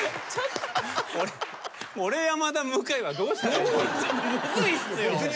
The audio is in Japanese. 俺山田向井はどうしたらいい？